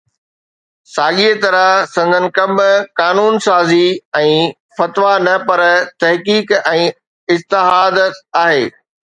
ساڳيءَ طرح سندن ڪم قانون سازي ۽ فتويٰ نه پر تحقيق ۽ اجتهاد آهي